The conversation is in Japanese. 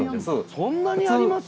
そんなにあります？